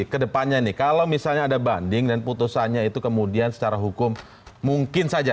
kedepannya nih kalau misalnya ada banding dan putusannya itu kemudian secara hukum mungkin saja